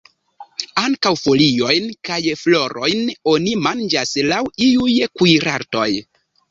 Ankaŭ foliojn kaj florojn oni manĝas laŭ iuj kuirartoj.